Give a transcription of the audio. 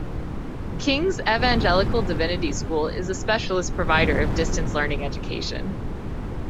King's Evangelical Divinity School is a specialist provider of distance learning education.